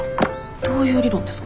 どういう理論ですか？